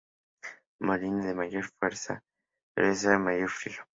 El molibdeno le da mayor dureza y ayuda a mantener la agudeza del filo.